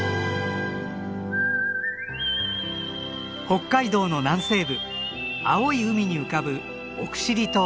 北海道の南西部青い海に浮かぶ奥尻島。